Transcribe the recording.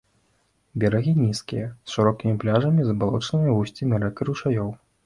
Берагі нізкія з шырокімі пляжамі і забалочанымі вусцямі рэк і ручаёў.